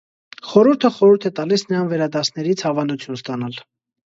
Խորհուրդը խորհուրդ է տալիս նրան վերադասներից հավանություն ստանալ։